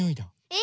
え